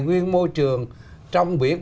nguyên môi trường trong biển